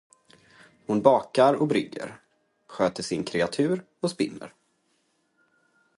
Hon bakar och brygger, sköter sina kreatur och spinner.